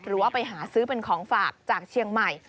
หรือว่าไปหาซื้อเป็นของฝากจากเชียงใหม่